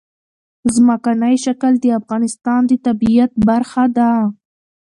ځمکنی شکل د افغانستان د طبیعت برخه ده.